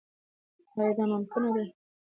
آیا دا ممکنه ده چې ټول ماشومان ښوونځي ته ولاړ سي؟